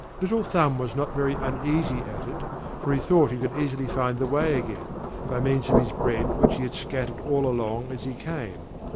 Little Thumb was not very uneasy at it; for he thought he could easily find the way again, by means of his bread which he had scattered all along as he came.